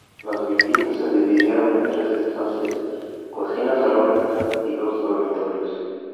Las viviendas se dividieron en tres estancias: Cocina-salón-estar y dos dormitorios.